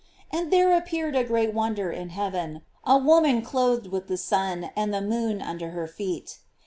" And there appeared a great wonder in heaven; a woman clothed with the sun, and the moon under her feet."